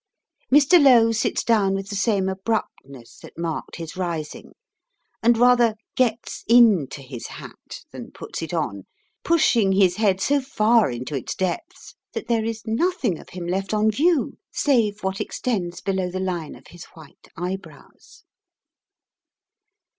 Mr. Lowe sits down with the same abruptness that marked his rising, and rather gets into his hat than puts it on, pushing his head so far into its depths that there is nothing of him left on view save what extends below the line of his white eyebrows.